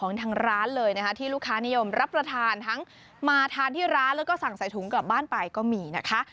ทางร้านเลยนะคะที่ลูกค้านิยมรับประทานทั้งมาทานที่ร้านแล้วก็สั่งใส่ถุงกลับบ้านไปก็มีนะคะ